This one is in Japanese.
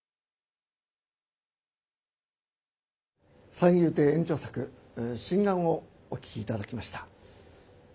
三遊亭圓朝作「心眼」をお聴き頂きました。